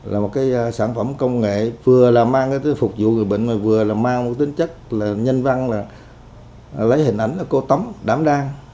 là một cái sản phẩm công nghệ vừa là mang cái phục vụ người bệnh mà vừa là mang một tính chất là nhân văn là lấy hình ảnh là cô tắm đám đan